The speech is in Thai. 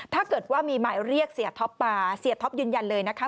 ถ้าเกิดว่ามีหมายเรียกเสียท็อปมาเสียท็อปยืนยันเลยนะคะ